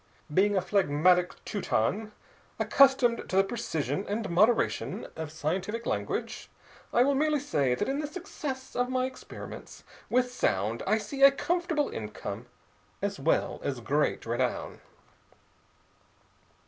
Being a phlegmatic Teuton, accustomed to the precision and moderation of scientific language, I will merely say that in the success of my experiments with sound I see a comfortable income, as well as great renown.